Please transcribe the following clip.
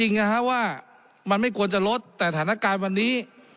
มันก็มันจริงนะว่ามันไม่ควรจะลดแต่ฐานะการณ์วันนี้